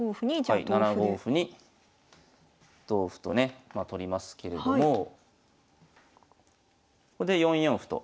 はい７五歩に同歩とねまあ取りますけれどもここで４四歩と。